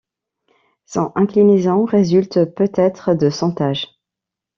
Son inclinaison résulte peut-être de sondages.